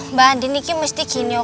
mbak andin ini mesti gini loh